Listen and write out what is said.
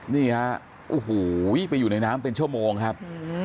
นี่ฮะโอ้โหไปอยู่ในน้ำเป็นชั่วโมงครับ